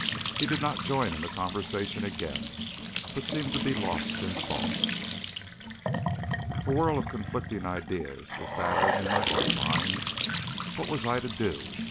He did not join in the conversation again, but seemed to be lost in thought. A whirl of conflicting ideas was battling in my own mind. What was I to do?